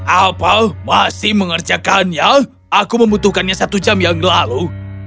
apa masih mengerjakannya aku membutuhkannya satu jam yang lalu